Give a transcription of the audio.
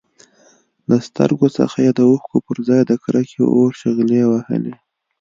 له سترګو څخه يې د اوښکو پرځای د کرکې اور شغلې وهلې.